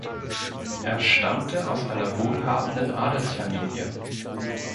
Er stammte aus einer wohlhabenden Adelsfamilie.